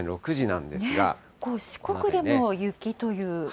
四国でも雪という。